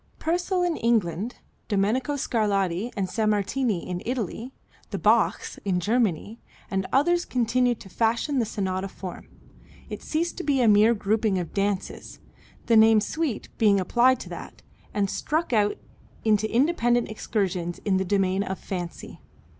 Purcell, in England, Domenico Scarlatti and Sammartini, in Italy, the Bachs, in Germany, and others continued to fashion the sonata form. It ceased to be a mere grouping of dances, the name suite being applied to that, and struck out into independent excursions in the domain of fancy.